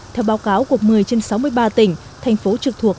theo báo cáo của một mươi trên sáu mươi ba tỉnh thành phố trực thuộc